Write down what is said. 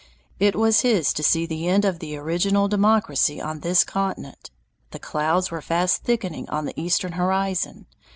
It was his to see the end of the original democracy on this continent. The clouds were fast thickening on the eastern horizon.